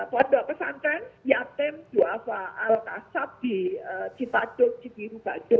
pondok pesantren yatem dua faal kasab di cipaduk cipiru baduk